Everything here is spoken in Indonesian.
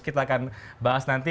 kita akan bahas nanti